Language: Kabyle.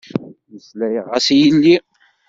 Meslayeɣ-as i yelli.